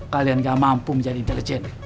kalian gak mampu menjadi intelijen